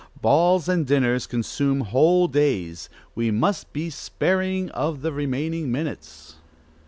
balls and dinners consume whole days, we must be sparing of the remaining minutes.